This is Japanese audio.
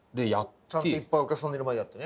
ちゃんといっぱいお客さんのいる前でやってね。